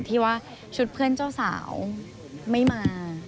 ที่ว่าชุดเพื่อนเจ้าสาวไม่มา